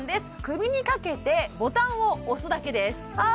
首にかけてボタンを押すだけですああ